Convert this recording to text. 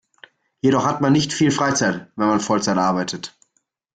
Jedoch hat man nicht viel Freizeit, wenn man Vollzeit arbeitet.